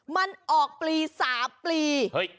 มันออกปลี๓ปลี